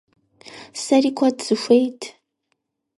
Сэри куэд сыхуейт.